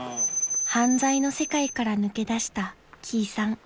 ［犯罪の世界から抜け出したきいさん］